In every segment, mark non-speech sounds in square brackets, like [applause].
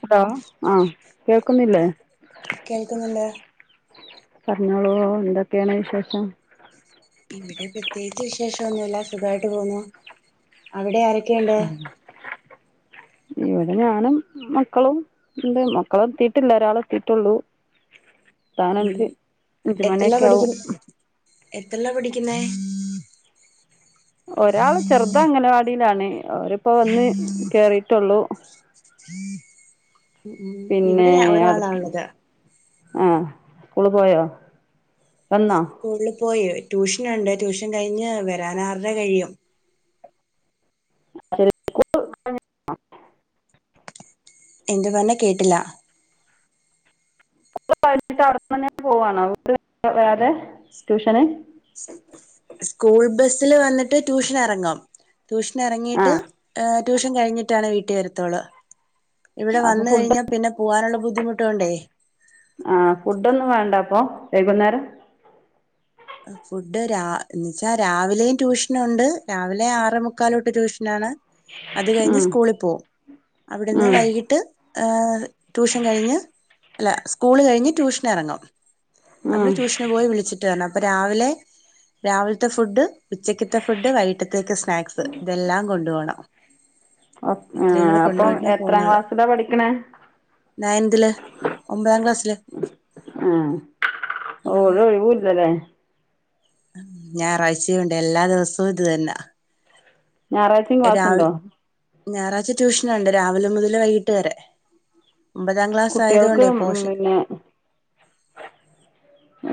Hello ആഹ കേക്കുന്നില്ലേ കേൾക്കുന്നുണ്ട് പറഞ്ഞോളൂ എന്തൊക്കെയാണ് വിശേഷം? ഇവിടെ പ്രത്യേകിച്ച് വിശേഷൊന്നുല്ല സുഖായിട്ട് പോന്നു അവിടെ ആരൊ ക്കെയിണ്ട്.? ഇവിടെ ഞാനും മക്കളും ൻ്റെ മക്കള് എതീട്ടില്ല ഒരാളെതീട്ടെള്ളൂ. ഉം അഞ്ച് എത്രേല്ല മണിയൊക്കെ ആവും പഠിക്കുന്നെ എത്രല്ലാ പഠിക്കുന്ന? ഒരാള് ചെറുതങ്ങനവാടിയിലാണ്. അവരിപ്പോ വന്ന് കേറിട്ടുള്ളൂ ഉം ഉം പിന്നെ ഇവിടെ അടു ഒരാളാ ഉള്ളത് ആഹ സ്കൂള് പോയോ വന്നോ സ്കൂളില് പോയി ട്യൂഷനുണ്ട് ട്യൂഷൻ കഴിഞ്ഞ് വരാനാറര കഴിയും. [unintelligible] എന്തു പറഞ്ഞെ കേട്ടില്ല? [unintelligible] കഴിഞ്ഞിട്ട് അവടെ തന്നെ പോവാണൊ [unintelligible] വേറെ ട്യൂഷന് [inaudible] സ്കൂൾ ബസില് വന്നിട്ട് ട്യൂഷൻ എറങ്ങും ട്യൂഷനറങ്ങിട്ട് ആഹ് ട്യൂഷൻ കഴിഞ്ഞിട്ടാണ് വീട്ടീ വരുത്തുള്ളൂ ഇവിടെ അപ്പൊ വന്ന് ഫുഡ് കഴിഞ്ഞാ പിന്നെ പോവാനുള്ള ബുദ്ധിമുടോണ്ടേയ് ആഹ്‌ ഫുടൊന്നും വേണ്ട അപ്പൊ വൈകുന്നേരം ഫുഡ് രാ ന്നച്ചാൽ രാവിലേം ട്യൂഷന് ഉണ്ട് രാവിലെ ആറമുക്കാലോട്ട് ട്യൂഷനാണ് അത് കഴിഞ്ഞ് ഉം സ്കൂളി പോകും അവിടിന്ന് ഉം വൈകിട്ട് ഏഹ് ട്യൂഷൻ കഴിഞ്ഞ് അല്ല സ്കൂള് കഴിഞ്ഞ് ട്യൂഷൻ എറങ്ങും ഉം നമ്മള് ട്യൂഷന് പോയി വിളിച്ചിട്ട് വരണം അപ്പ രാവിലെ രാവിൽത്തെ ഫുഡ് ഉച്ചക്കത്തെ ഫുഡ് വൈകിട്ടത്തേക്ക് സ്നാക്സ് ഇതെല്ലാം കൊണ്ടു പോണം ആ ഇത്രയും കൂടെ അപ്പൊ എത്രാം ക്ലാസ്സിലാ പഠിക്കണ നയന്തില് ഒമ്പതാം ക്ലാസ്സില്. ആഹ്‌ ഓരു ഒഴിവൂല്ലല്ലേ ഞായറാഴ്ചയുണ്ട് എല്ലാ ദിവസവും ഇത് തന്ന ഞായറാഴ്ച്ചിം ക്ലാസ്ണ്ടോ ഞായറാഴ്ച ട്യൂഷനുണ്ട്. രാവിലെ മുതല് വൈകീട്ട് വെരെ കുട്ടികൾക്കും പിന്നെ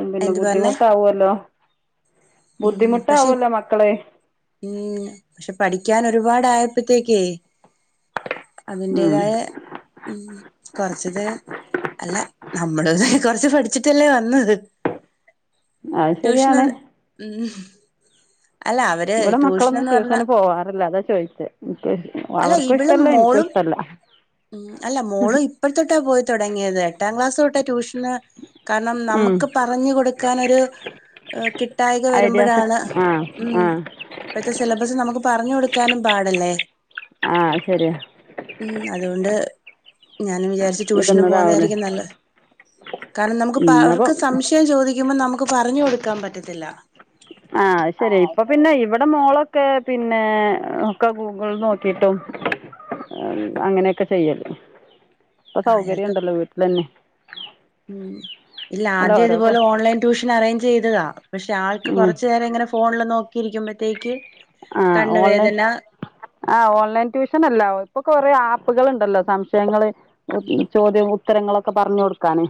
ഉ പിന്നെ എന്ത് പറഞ്ഞേ ബുദ്ധിമുട്ടാവല്ലോ ഉം പക്ഷെ ബുദ്ധിമുട്ടാവല്ലോ മക്കളെ ഉം പക്ഷെ പഠിക്കാൻ ഒരുപാടായപ്പത്തേക്കേയ്യ് ഉം അതിന്റെതായ കൊറച്ചിത് അല്ല നമ്മള് തെയ് കൊറച്ച് പഠിച്ചിട്ടല്ലേ വന്നത് അത് ട്യൂഷന് ശരിയാണ് മംഹ്‌ ഇവടെ മക്കളൊന്നും ട്യൂഷന് പോവാറില്ല അതാ ചോയിചെ അവർക്കും ഇഷ്ടല്ല ഇനിക്കും ഇഷ്ട ല്ല മം അല്ല മോള് ഇപ്പഴുത്തോട്ടാ പോയി തൊടങ്ങിയത് എട്ടാം ക്ലാസ് തൊ ട്യൂഷന് കാരണം ഉം നമുക്ക് പറഞ്ഞു കൊടുക്കാനൊരു കിട്ടായിക ഐഡിയാസ് വരുമ്പഴാണ് ആഹ് മം ആഹ് പ്പത്തെ സിലബസ് നമുക്ക് പറഞ്ഞു കൊടുക്കാനും പാടല്ലേ. ആഹ്. ശരിയാ ഉം അതുകൊണ്ട്. ഞാനും വിചാരിച്ച് ട്യൂഷന് വിടുന്നതാവൂലേ പോന്നയായിരിക്കും നല്ല കാരണം നമുക്ക് പ ഉം അവർക്ക് അപ്പം സംശയം ചോദി യുമ്പം നമുക്ക് പറഞ്ഞു കൊടുക്കാൻ പറ്റത്തില്ല. ആഹ് അത്ശര്യ ഇപ്പ പിന്നെ ഇവിടെ മോള്. ക്കെ പിന്നെ ഒക്കെ ഗൂഗിൾ നോക്കിട്ടും അങ്ങനെയൊക്കെ ചെയ്യല് ഇപ്പൊ ആഹ് സൗകര്യം അയാൾക്ക് ഉണ്ടല്ലോ വീട്ടിലന്നെ ഉം ഇല്ല അല്ല ആദ്യം ഓരോ ഇതുപോലെ ഓൺലൈൻ ട്യൂഷൻ അറേഞ്ച് ചെയ്തതാ പക്ഷെ ആൾക്ക് ഉം കൊറച്ചു നേരം ഇങ്ങനെ ഫോണില് നോക്കിയിരിക്കുമ്പോഴത്തേക്ക് കണ്ണ് വേദന ആഹ ഓൺലൈൻ ട്യൂഷൻ അല്ല ഇപ്പൊ കൊറെ ആപ്പ് പ്പുകളുണ്ടല്ലോ സംശയങ്ങള് ഉം ചോദ്യം ഉത്തരങ്ങളൊക്കെ പറഞ്ഞു കൊടുക്കാന്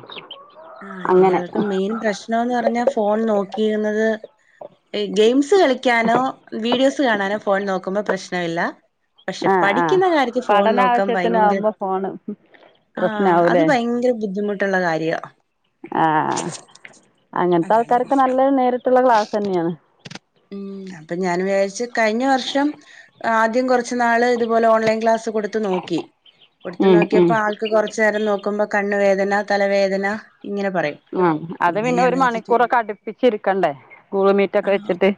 ആഹ അങ്ങനെ ഇയാൾക്ക് മെയിൻ പ്രശ്നംന്ന് പറഞ്ഞാ ഫോൺ നോക്കിയിരുന്നത് ഗെയിംസ് കളിക്കാനോ വീഡിയോസ് കാണാനോ ഫോൺ നോക്കുമ്പോ പ്രശ്ന ഇല്ല പക്ഷെ ആ ആ പഠിക്കുന്ന കാര്യത്തിൽ ഫോൺ പഠന നോക്കാൻ ഭയങ്കര ആവശ്യത്തിനാവുമ്പോ ഫോണ് ആ അത് പ്രശ്നാവൂലേ ഭയങ്കര ബുദ്ധിമുട്ടുള്ള കാര്യ ആഹ അങ്ങനത്തെ അതാണ് ആൾക്കാരൊക്കെ പ്രശ് നല്ല നേരിട്ടുള്ളൊരു ക്ലാസ് ന്നെയാണ് ഉം അപ്പൊ ഞാൻ വിചാരിച് കഴിഞ്ഞ വർഷം ആദ്യ ആദ്യം കോറച്ച് നാള് ഇതുപോലെ ഓൺലൈൻ ക്ലാസ് കൊടുത്ത് നോക്കി കൊടുത്തു ഉം ഉം നോക്കിയപ്പോ ആൾക്ക് കൊറച്ച് നേരം നോക്കി ക്കുമ്പം കണ്ണ് വേദന തലവേദന ഇങ്ങനെ പറയും ഉ അത് പിന്നെ ഞാൻ ഒരു വിചാരിച്ചു മണിക്കൂറൊക്കെ അടുപ്പിച്ചിരിക്കണ്ടേ ഗൂഗിൾ മീറ്റൊക്കെ ആഹ് വെച്ചിട്ട്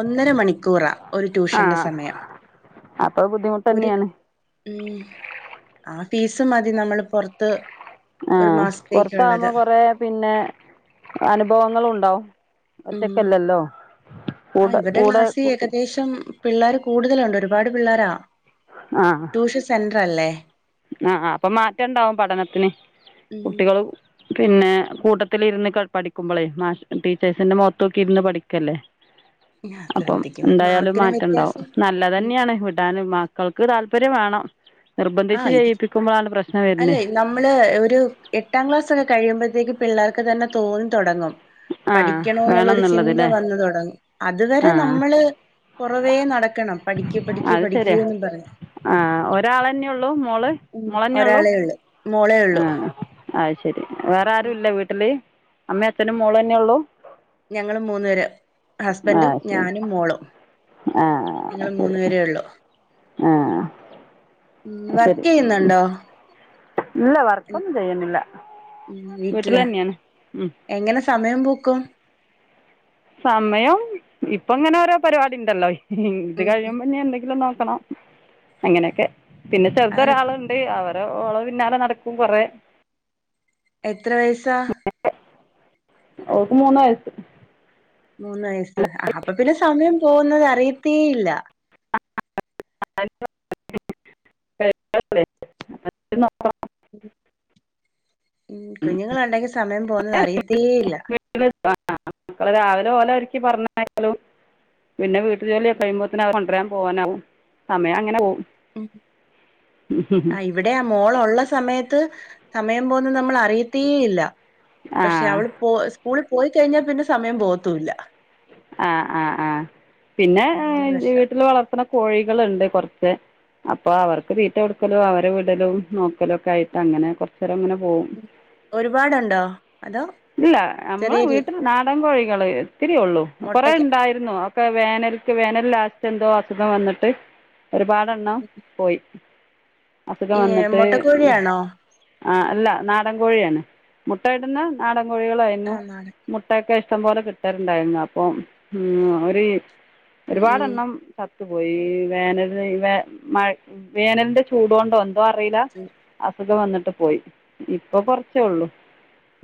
ഒന്നര മണിക്കൂറാ ഒരു ട്യൂഷന്റെ ആഹ് സമയം അപ്പൊ ബുദ്ധിമുട്ട് ഒര് തന്നെയാണ് ഉം ആ ഫീസ് മതി നമ്മള് പോറത്ത് ആഹ പുറത്താകുമ്പോ കൊറെ പിന്നെ അനുഭവങ്ങളും ഉണ്ടാവും. ഉം ഒറ്റക്കല്ലല്ലോ? ആ കൂടെ ഇവരുടെ കൂടെ ക്ലാസ്സിൽ കുട്ടി ഏകദേശം പിള്ളേർ കൂടുതലുണ്ട് ഒരുപാട് പിള്ളോരാ. ട്യൂഷൻ സെന്റർ അല്ലേ? ആ ആ അപ്പൊ മാറ്റംണ്ടാവും പഠനത്തിന് ഉം കുട്ടികള് പിന്നെ കൂട്ടത്തിൽ ഇരുന്ന് ക പഠിക്കുമ്പോളേ മാഷ് ടീച്ചേഴ്സിന്റെ മുഖത്തൊക്കി ഇരുന്ന് പഠിക്കല്ലേ? ഉം. അപ്പം എന്തായാലും മാറ്റംണ്ടാവും ഉം നല്ലതന്നെയാണ് വിടാന് മക്കൾക്ക് താല്പര്യം വേണം. ആ നിർബന്ധിച്ച് ഇത് ചെയ്യിപ്പിക്കുമ്പോഴാണ് പ്രശ് അല്ലെ നമ്മള് ഒരു എട്ടാം ക്ലാസ്ഒക്കെ കഴിയുമ്പോഴത്തേക്ക് പിള്ളേർക്ക് തന്നെ തോന്നി തുടങ്ങും. ആ പഠികണോ എന്നുള്ള ഒരു വേണംന്നുള്ളത് ചിൻന്ത ല്ലേ വന്നു തുടങ്ങും അതുവരെ ആ നമ്മള്. കുറവേ നടക്കണം. പഠിക്ക് പഠിക്ക് അത് ശരിയാ പഠിക്കൂന്ന് പറഞ്ഞ് ആഹ ഒരാളന്നെ ഉള്ളൂ മോള് ഉം മോള ന്നെഒള്ളൂ ഒരാളെ ഉള്ളു മോളേ ആ ഉള്ളു ആ അയ്ശരി വേറെ ആരു ഉം ഇല്ല വീട്ടില്. അമ്മേ അച്ഛനും മോള് തന്നെ ഉള്ളു? ഞങ്ങള് മൂന്ന് പേര ആ ഹസ്ബൻറും ശരി ഞാനും മോളും. ഞങ്ങള് മൂന്നു പേരെ ഉള്ളു. ആഹ. ഉം വർക്ക് ചെയ്യുന്നുണ്ടോ? ഇല്ല വർക്കൊന്നും ചെയ്യുന്നില്ല. ഉഉം വീട്ടിൽ വീട്ടില തന്നെയാണ് ഉം എങ്ങനെ സമയം പൂക്കും. സമയം ഇപ്പ ഇങ്ങനെ ഓരോ പരിപാടി ഉണ്ടല്ലോ ഹി ഹി ഇത് ഉം കഴിയുമ്പോ ഞാൻ എന്തെങ്കിലും നോക്ക ക്കണം അങ്ങനെയൊക്കെ പിന്നെ അങ്ങനെ ചെറുതൊരാളുണ്ട് അവർ ഹെ ഓള പിന്നാലെ നടക്കും കൊറെ. എത്ര വയസാ? ഓക്ക് മൂന്ന് വയസ്സ്. മൂന്ന വയസ്സ് ആ അപ്പൊ പിന്നെ സമയം പോകുന്നത് അറിയത്തേയില്ല. [unintelligible] [unintelligible] ഉം ഉം കുഞ്ഞുങ്ങളൾ ഉണ്ടങ്കിൽ സമയം പോവുന്നത് അറിയത്തേ ഇല്ല. ഓല ഒരിക്കി പറഞ്ഞായ്ക്കലും. പിന്നെ വീട്ടു ജോലികഴിയുമ്പോത്തിന് അവരെ കൊണ്ടരാൻ പോകാനാവും സമയം അങ്ങനെ പോവും ഉം ആ ഇവിടെ ആ മോള് ഉള്ള സമയത്ത്. സമയം പോകുന്നത് നമ്മൾ അറിയത്തെ ഇല്ല പക്ഷെ ആ അവള് പോ സ്കൂളിൽപോ പോയി കഴിഞ്ഞാൽ പിന്നെ സമയം പോവാത്തൂല്ല. ആ ആഹ് ആഹ് പിന്നെ അതാണ് ഏഹ് പ്രശ്നം വീട്ടില് വളർത്തണ കോഴികളെണ്ട് കൊർത്ത് അപ്പൊ അവർക്ക് തീറ്റ കൊടുക്കലും അവരെ വിടലും നോക്കലും ഒക്കെ ആയിട്ട് അങ്ങനെ കൊറച്ചേരങ്ങനെ പോവും ഒരുപാടുണ്ടോ അതോ ഇല്ല നമ്മളെ ചെറിയ രീ വീട്ടിൽ നാടൻ കോഴി കള് ഇത്തിരി ഒള്ളൂ കൊറേ മുട്ടക്ക് ഇണ്ടായിരുന്നു ഒക്കെ വേനൽക്ക് വേനൽ ലാസ് റ്റ് എന്തോ അസുഖം വന്നിട്ട് ഒരുപാട് എണ്ണം പോയി. അസുഖം വന്നിട്ട് ഉം. മുട്ടക്കോഴിയാണോ ആ അല്ല നാടൻ കോഴിയാണ് മുട്ടയിടുന്ന നാടൻ കോഴികളായിരുന്നു ആ നാടൻ മുട്ടയൊക്കെ ഇഷ്ട്ടം പോലെ കിട്ടലിണ്ടായിരുന്നു അപ്പം ഉം ഒര് ഉം ഒരുപാടെണ്ണം ഉം ച ത്ത് ‌ പോയി വേനല് വേ മഴ വേനൽന്റെ ചൂടോണ്ട് എന്താ അറിയില്ല അസുഖം വന്നിട്ട് പോയി ഇപ്പ കൊറച്ചേ ഉള്ളു.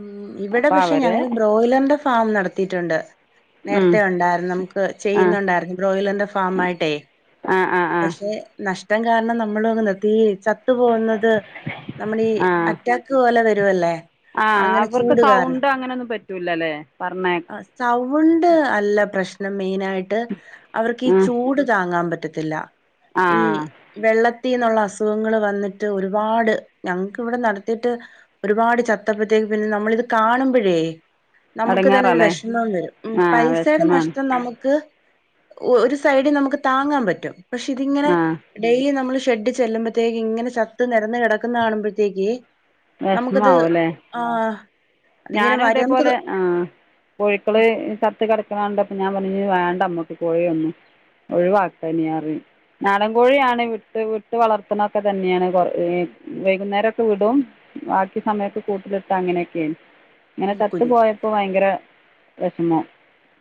ഉം ഇവിടെ പക്ഷെ ഞങ്ങള് ബ്രോയിലറിന്റെ ഫാം നടത്തിയിട്ടൊണ്ട്. ഉം നേരത്തെ ഒണ്ടായിരുന്നു നമുക്ക് ആ ചെയ്യുന്നുണ്ടായിരുന്നു ബ്രോയിലറിന്റെ ഫാം ആയിട്ടെ ആ ആ ആ പക്ഷെ നഷ്ടം കാരണം നമ്മളങ്ങനെ ഒത്തീ ചത്തു പോകുന്നത് നമ്മളീ ആ അറ്റാക്ക് പോലെ വരുവല്ലേ ആ അങ്ങനെ അവർക്ക് ചൂട് കാരണം. സൗണ്ട് അങ്ങനെയൊന്നും പറ്റില്ല അല്ലേ പറഞ്ഞ അ സൗണ്ട് അല്ല പ്ര ശ്‍നം മെയിനായിട്ട് അവർക്ക് ഈ ചൂട് താങ്ങാൻ പ റ്റത്തില്ല ആ ഈ ആ വെള്ള ത്തീന്നുള്ള അസുഖങ്ങള് വന്നിട്ട് ഒരുപാട് ഞങ്ങക്ക് ഇവിടെ നടത്തിയിട്ട് ഒരുപാട് ചത്തപ്പത്തേ ക്ക് പിന്നെ നമ്മളിത് കാണുമ്പഴേ നമുക്ക് തന്നെ ഒരു എടങ്ങേറാല്ലേ വിഷമം വരും ഉം ആഹ് പൈസയുടെ വെഷമാണ് നഷ്ടം നമുക്ക് ഒരു സൈഡിൽ നമുക്ക് താങ്ങാൻ പറ്റും പക്ഷെ ഇതിങ്ങനെ ആഹ് ഡെയിലി നമ്മള് ഷെഡിൽ ചെല്ലുമ്പത്തേക്ക് ഇങ്ങനെ ചത്ത് നിരന്ന് കിടക്കുന്നത് കാണുമ്പഴത്തേക്കേ വെഷമാവു അല്ലെ അതിങ്ങനെ ഞാനും വര ഇതേപോലെ നമുക്കത് ആ കോഴിക്കള് ചത്ത് കിട ക്കണ കണ്ടപ്പാ ഞാൻ പറഞ്ഞ് വേണ്ട അമ്മക്ക് കോഴി ഒന്നും ഒഴിവാക്കാനാ പറഞ്ഞു. നാടൻ കോഴിയാണ് വിട്ട് വിട്ട് വളർത്തണൊക്കെ തന്നെയാണ് കൊറ ഏഹ് വൈകുന്നേരൊക്കെ വിടും. ബാക്കി സമയത്ത് കൂട്ടിലിട്ട അങ്ങനെയൊക്കെയാണ് അങ്ങനെ ചത്ത് കുഞ്ഞ് പോയപ്പോ ഭയങ്കര വെഷമാവും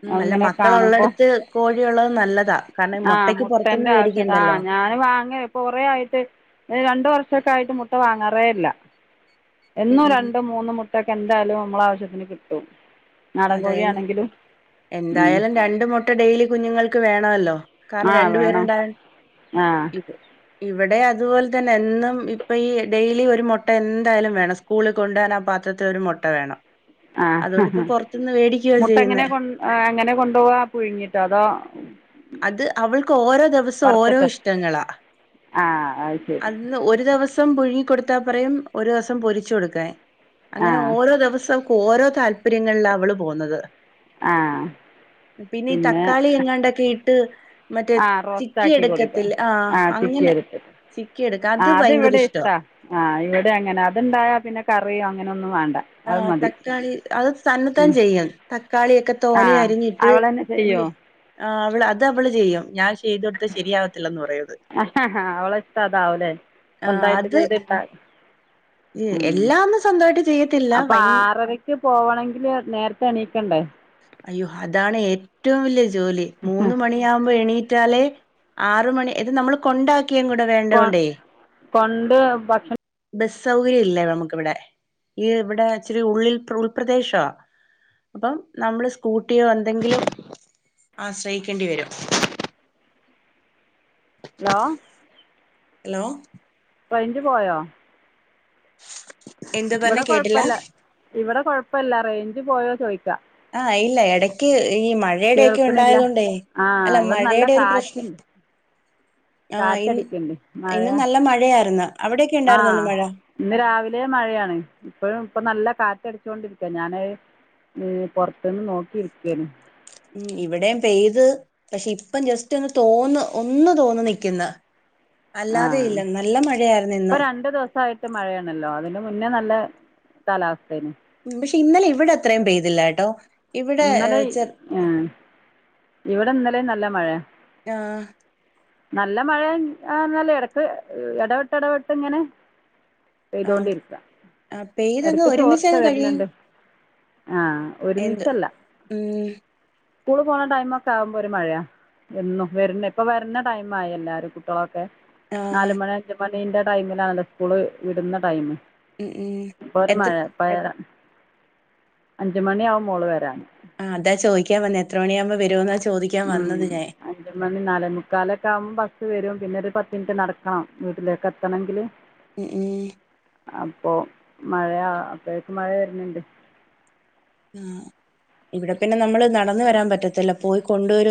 ഉം അല്ല മക്കള ഉള്ളടുത്ത് കോഴിയുള്ളത് നല്ലതാ കാരണംഈ മുട്ടക്ക് പൊറത്തൂന്ന് മേടിക്കണ്ടല്ലോ ഞാന് വാങ്ങ ഇപ്പൊ കൊറേ ആയിട്ട് രണ്ട് വർഷൊക്കെ ആയിട്ട് മുട്ട വാങ്ങാറേ ഇല്ല. ഉം എന്നും ഉം രണ്ടും മൂന്നും മുട്ടയൊക്കെ എന്തായാലും നമ്മളാവശ്യത്തിന് കിട്ടും. നാടൻ അതെ കോഴിയാണെങ്കിലും ഉം എന്തായാലും രണ്ട് മുട്ട ഡെയിലി കുഞ്ഞുങ്ങൾക്ക് വേണമല്ലോ കാരണം ആ രണ്ടു വേണം പേരുണ്ടായൻ ആ ഇത് ഇവിടെ അതുപോലെ തന്നെ എന്നും ഇപ്പൊ ഈ ഡെയിലി ഒരു മുട്ട എന്തായാലും വേണം സ്കൂളിൽ കൊണ്ടുപോവനാവുമ്പ പാ ത്രത്തി ഒരു മൊട്ട വേണം. ആ ഹ ഹ അതുകൊണ്ടിപ്പോ പുറത്തുനിന്ന് മേടിക്കുവ മുട്ട എങ്ങനെ ചെയ്യുന്നേ കൊ എങ്ങനെ കൊണ്ടുപോവാ പുഴുങ്ങിട്ടോ അതോ അത് അവൾക്ക് ഓരോ ദിവസം ഓരോ വറുത്തിട്ടോ ഇഷ്ടങ്ങളാ ആ അത് ശരി അന്ന് ഒരു ദിവ സം പുഴങ്ങി കൊടുത്താ പറയും ഒരു ദിവസം പൊരിച്ച കൊടുക്കാൻ ആ അങ്ങനെ ഓരോ ദിവസവും ഓരോ താല്പര്യങ്ങളില അവള് പോകുന്നത്. ആ പിന്നെ ഈ തക്കാളി എങ്ങാണ്ടൊക്കെ ഇട്ട് മറ്റേ ആ ചിക്കി റോസ്റ്റാക്കി കൊടുക്കാം എടുക്കത്തില്ലെ ആ ചിക്കി അങ്ങനെ എടുത്തിട്ട് ചിക്കി എടുക്ക ആ അത് ഭയങ്കര ഇവിടേം ഇഷ്ടവാ ഇഷ്ടാ ആഹ് ഇവിടെ അങ്ങനെ അതിണ്ടായ പിന്നെ കറി അങ്ങനെ ഒന്നും വേ ആ തക്കാളി അത് തന്നത്താൻ ഉം. ചെയ്യും തക്കാളി ഒക്കെ ആ തോനെ അരിഞ്ഞിട്ട് അവൾ തന്നെ ഉ റ്റ് ചെയ്യുമോ ആ അവള് അത് അവള് ചെയ്യും ഞാൻ ചെയ്ത് കൊടുത്ത ശരിയാവത്തില്ലന്ന് പറയും അത് ആ അവള ഇഷ്ട അതാവലേ ആഹ് എന്തായിട്ട് അത് ചെയ്തിട്ട ഉ എല്ലാന്നും സ്വന്തമായിട്ട് ചെയ്യത്തില്ല അപ്പൊ ഭയ ആറരക്ക് പോവണെങ്കില് നേരത്തെ എണീ അയ്യോ അതാണ് ഏറ്റവും വലിയ ജോലി. മൂന്ന് മണിയാവുമ്പ എണീ റ്റാലേ ആറു മണി ഇത് നമ്മള് കൊണ്ടാ ക്കീം കൂടെ കൊ വേണ്ടോണ്ടേ കൊണ്ട് ഭക്ഷണം ബസ് സൗകര്യം ഇല്ലേ നമുക്കിവിടെ ഈ ഇവിടെ ഇച്ചിരി ഉള്ളിൽ ഉൾപ്രദേശോ അപ്പം നമ്മള് സ്കൂട്ടിയോ എന്തെങ്കിലും ആശ്രയിക്കേണ്ടി വരും [inaudible] ഹലോ ഹലോ റഴിഞ്ച് പോയോ എന്ത് ഇവിടെ പറഞ്ഞെ കേട്ടില്ല കൊഴപ്പില്ല ഇവിടെ കൊഴപ്പല്ല റേഞ്ച് പോയോ ചോയിക്കാ ആഹ ഇല്ല ഇടക്ക് ഈ മഴയുടെൊക്കെ കേൾക്കണില്ല ഉണ്ടായത കൊണ്ടേ ആ അല്ല ഇവിടെ നല്ല മഴയുടെ ഒരു പ്രശ്നം കാറ്റുണ്ട് ആഹ് ഇ കാറ്റടിക്കുന്നുണ്ട് ഇന്ന് മഴ നല്ല മഴയായിരുന്നു അവിടെൊക്കെ ഉണ്ടായിുന്ന ഒന്ന് മഴ മഴയ ഇപ്പഴും ഇപ്പൊ നല്ല കാറ്റടിച്ചോണ്ടിരിക്ക ഞാൻ പോർതിന്ന് നോക്കിയിരിക്കനു ഉ ഇവിടെയും പെയ്ത് പക്ഷെ ഇപ്പം ജസ്റ്റ് ഒന്ന് തോന്ന ഒന്ന് തോന്ന നിക്കുന്ന ആഹ ഇപ്പൊ ഇന്നും രണ്ടു ദിവസായിട്ട് മഴയാണല്ലോ അതിനും [unintelligible] മുന്നേ നല്ല കാലാവസ്ഥേന് പക്ഷെ ഇന്നലെ ഇവിടെ അത്രയും പെയ്തില്ലാ കേട്ടോ ഇവിടെ ഇന്നലെ ചെർ ആ [unintelligible] ഇവിടെ ഇന്നലെ നല്ല മഴയ ആഹ നല്ല മഴ ആ നല്ല ഇടക്ക് ഇടവിട്ട് ഇടവിട്ട് ഇങ്ങനെ ആഹ് പെയ്തോണ്ടിരിക്ക ആഹ് പെയ്തങ്ങ് എടക്ക് ചോർച്ച ഒരുമിച്ചങ്ങ് കഴിയും വരുന്നുണ്ട് ആ ഒരുമി ഉ സ്കൂളിൽ പോകാൻ ടൈം ഒക്കെ ആകുമ്പോ ഒരു മഴയാ വ വരുന്ന ഇപ്പൊ വരുന്ന ടൈം ആയി എല്ലാരും കുട്ടികളൊക്കെ ആഹ് നാലുമണി അഞ്ച മണിന്റെ ടൈമിലാണല്ല സ്കൂള് വിടുന്ന ടൈം ഇ ഉം ഉം പ്പോ ഒരു എത്ര മഴ ഇപ്പൊ അഞ്ചുമണി ആക്കും മോള് വരാണ് അതാ ചോദിക്കാൻ വന്നത് എന്ത്ര മണിയാകും വരുന്ന് ചോദിക്കാൻ ഉ അഞ്ചു മണി നാല മുക്കാലൊക്കെ ആവുമ്പ [unintelligible] വരും പിന്നെ ഒരു പത്ത് മിനിറ്റ് നടക്കണം വീട്ടിലേക്ക് എത്തണമെങ്കില് മ്മ് അപ്പൊ മഴയാ അപ്പോഴേക്ക മഴ വരുന്നുണ്ട് ആ ഇവിടെ പിന്നെ നമ്മള് നടന്ന വരാൻ പറ്റത്തില്ല പോയി കൊണ്ടുവര